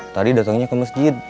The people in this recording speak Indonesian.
tadi datengnya ke masjid